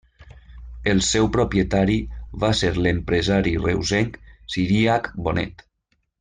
El seu propietari va ser l'empresari reusenc Ciríac Bonet.